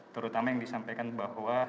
terutama yang disampaikan bahwa